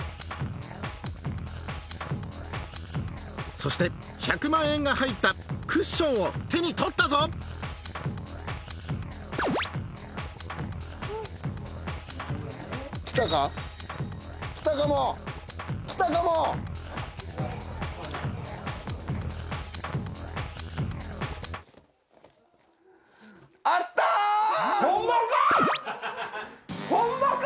そして１００万円が入ったクッションを手に取ったぞほんまか！？